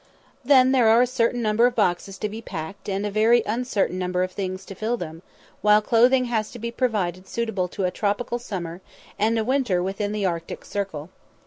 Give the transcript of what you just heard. Then there are a certain number of boxes to be packed, and a very uncertain number of things to fill them, while clothing has to be provided suitable to a tropical summer, and a winter within the arctic circle.